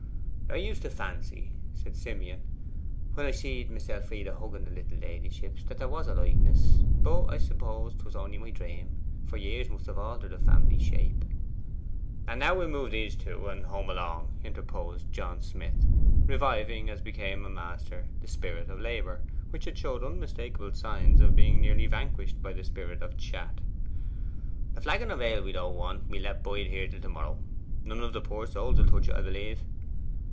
'I used to fancy,' said Simeon, 'when I seed Miss Elfride hugging the little ladyships, that there was a likeness; but I suppose 'twas only my dream, for years must have altered the old family shape.' 'And now we'll move these two, and home along,' interposed John Smith, reviving, as became a master, the spirit of labour, which had showed unmistakable signs of being nearly vanquished by the spirit of chat, 'The flagon of ale we don't want we'll let bide here till to morrow; none of the poor souls will touch it 'a b'lieve.